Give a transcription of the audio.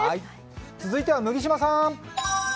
続いては麦島さん。